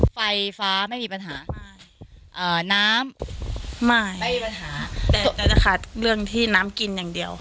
ไฟฟ้าไม่มีปัญหาน้ำไม่ไม่มีปัญหาแต่จะขาดเรื่องที่น้ำกินอย่างเดียว